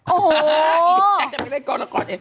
โอ้โหอีแจ๊กจะไม่ได้กองละครเอ